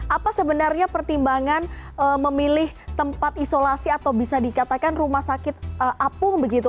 apa sebenarnya pertimbangan memilih tempat isolasi atau bisa dikatakan rumah sakit apung begitu